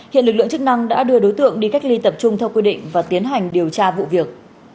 hiện lực lượng chức năng đã đưa đối tượng đi cách ly tập trung theo quy định và tiến hành điều tra vụ việc